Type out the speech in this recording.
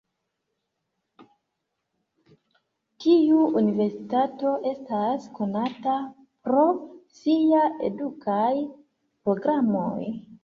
Tiu universitato estas konata pro sia edukaj programoj.